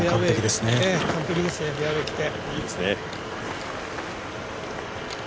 完璧ですね、フェアウエーいって。